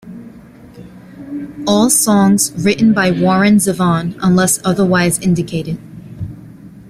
All songs written by Warren Zevon unless otherwise indicated.